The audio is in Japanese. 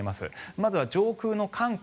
まずは上空の寒気